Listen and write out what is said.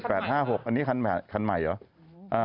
อันนี้คันใหม่เหรอ